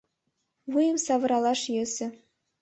Вуйым савыралаш йӧсӧ.